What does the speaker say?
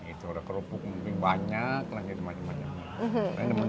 itu ada kerupuk mungkin banyak lah jadi macam macam